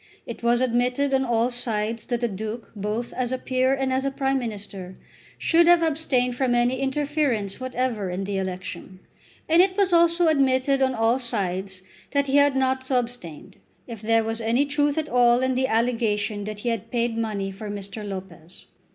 It was admitted on all sides that the Duke, both as a peer and as a Prime Minister, should have abstained from any interference whatever in the election. And it was also admitted on all sides that he had not so abstained, if there was any truth at all in the allegation that he had paid money for Mr. Lopez.